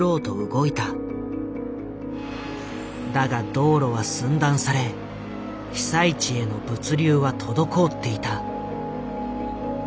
だが道路は寸断され被災地への物流は滞っていた。